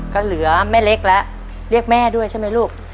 ก็เหลือแม่เล็กแล้วเรียกแม่ด้วยใช่ไหมลูก